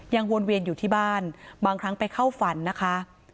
วนเวียนอยู่ที่บ้านบางครั้งไปเข้าฝันนะคะ